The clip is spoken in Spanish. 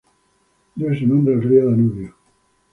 Debe su nombre al río Danubio.